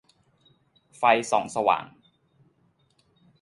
ไฟส่องสว่าง